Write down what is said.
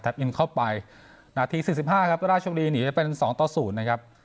แท็บอินเข้าไปนาทีสิบห้าครับราชบุรีหนีไปเป็นสองต่อสูตรนะครับ